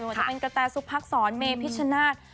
จะเป็นกระแตสุปภักษ์สอนเมพิชชนาศ